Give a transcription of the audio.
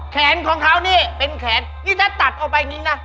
แขนของเขานี่เป็นแขนนี่ถ้าตัดออกไปอย่างนี้นะ